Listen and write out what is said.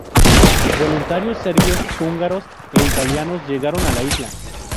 Voluntarios serbios, húngaros e italianos llegaron a la isla.